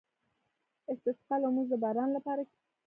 د استسقا لمونځ د باران لپاره دی.